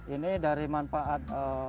ini dari manfaat